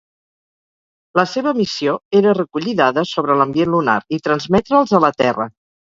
La seva missió era recollir dades sobre l'ambient lunar i transmetre'ls a la Terra.